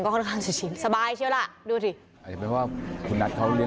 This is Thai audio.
นี่นี่นี่นี่นี่นี่นี่นี่นี่นี่